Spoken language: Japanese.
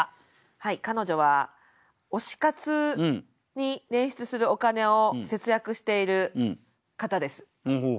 はい彼女は推し活に捻出するお金を節約している方です。